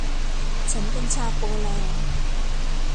ฉันเป็นชาวโปแลนด์